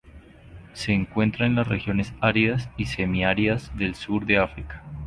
Se encuentra en las regiones áridas y semiáridas del sur de África.